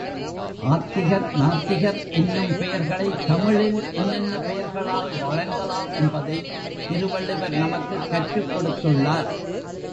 ஆத்திகர், நாத்திகர் என்னும் பெயர்களைத்தமிழில் என்னென்ன பெயர்களால் வழங்கலாம் என்பதைத் திருவள்ளுவர் நமக்குக் கற்றுக் கொடுத்துள்ளார்.